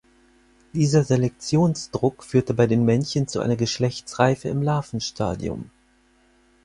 Dieser Selektionsdruck führte bei den Männchen zu einer Geschlechtsreife im Larvenstadium.